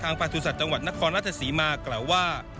ทางภาษาทร์จังหวัดนักครณฐศิมาคร์กล่าวว่า